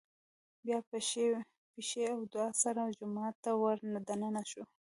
بيا په ښۍ پښې او دعا سره جومات ته ور دننه شو